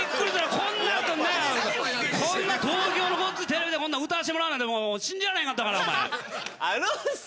こんな東京のごっついテレビで歌わしてもらうなんて信じられへんかったからお前。